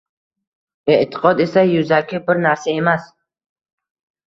E’tiqod esa yuzaki bir narsa emas